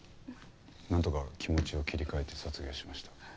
なんとか気持ちを切り替えて卒業しました。